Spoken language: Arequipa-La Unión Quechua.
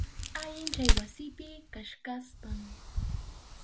Allin chay wasipi kachkaspam.